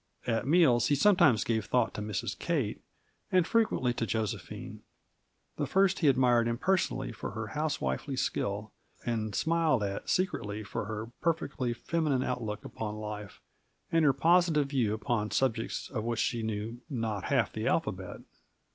At meals he sometimes gave thought to Mrs. Kate, and frequently to Josephine. The first he admired impersonally for her housewifely skill, and smiled at secretly for her purely feminine outlook upon life and her positive views upon subjects of which she knew not half the alphabet.